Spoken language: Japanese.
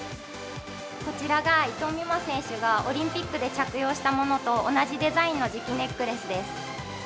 こちらが伊藤美誠選手がオリンピックで着用したものと同じデザインの磁気ネックレスです。